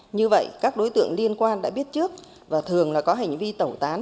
như vậy các đối tượng liên quan đã biết trước và thường là có hành vi tẩu tán